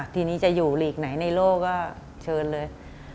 ทีนี้จะอยู่หลีกไหนในโลกก็เชิญเลย